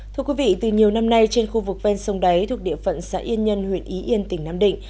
thưa quý vị từ nhiều năm nay trên khu vực ven sông đáy thuộc địa phận xã yên nhân huyện y yên tỉnh nam định